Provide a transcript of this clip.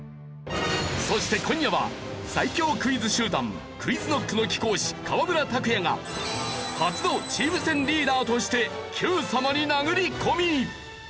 そして今夜は最強クイズ集団ＱｕｉｚＫｎｏｃｋの貴公子河村拓哉が初のチーム戦リーダーとして『Ｑさま！！』に殴り込み！